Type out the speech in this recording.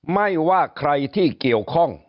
ไม่ว่าใครที่เกี่ยวข้อง